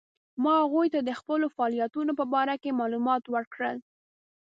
ما هغوی ته د خپلو فعالیتونو په باره کې معلومات ورکړل.